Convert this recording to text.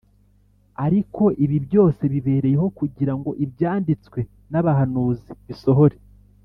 Ariko ibi byose bibereyeho kugira ngo ibyanditswe n’abahanuzi bisohore